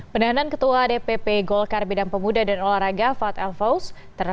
penahanan ketua dpp golkar bidang pemuda dan olahraga fad el faus